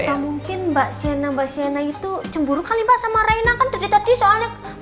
atau mungkin mbak sienna mbak sienna itu cemburu kali mbak sama reina kan dari tadi soalnya